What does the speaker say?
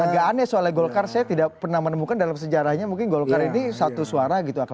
agak aneh soalnya golkar saya tidak pernah menemukan dalam sejarahnya mungkin golkar ini satu suara gitu